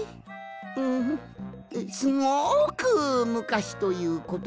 うんすごくむかしということかの。